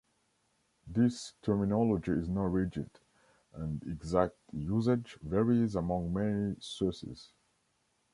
This terminology is not rigid, and exact usage varies among many sources.